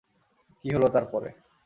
কী হল তার পরে?